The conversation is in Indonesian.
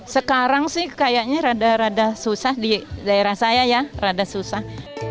sekarang sih kayaknya rada rada susah di daerah saya ya rada susah